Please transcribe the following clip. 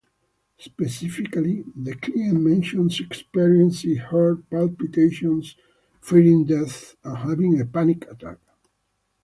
Specifically, the client mentions experiencing heart palpitations, fearing death, and having a panic attack.